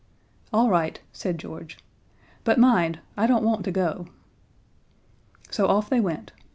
"All right," said George, "but mind, I don't want to go." So off they went.